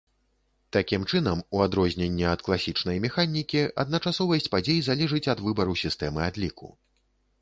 Такім чынам, у адрозненне ад класічнай механікі, адначасовасць падзей залежыць ад выбару сістэмы адліку.